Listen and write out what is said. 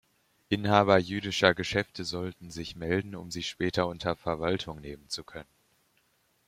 Inhaber jüdischer Geschäfte sollten sich melden, um sie später unter Verwaltung nehmen zu können.